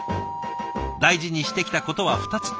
大事にしてきたことは２つ。